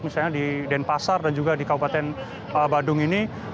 misalnya di denpasar dan juga di kabupaten badung ini